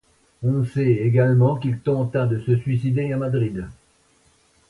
On sait également qu'il tenta de se suicider à Madrid.